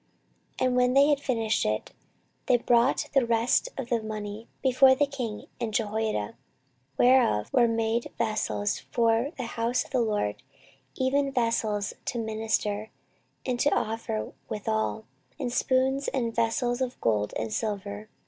14:024:014 And when they had finished it, they brought the rest of the money before the king and Jehoiada, whereof were made vessels for the house of the LORD, even vessels to minister, and to offer withal, and spoons, and vessels of gold and silver.